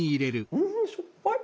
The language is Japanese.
うんしょっぱい。